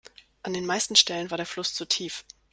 An den meisten Stellen war der Fluss zu tief.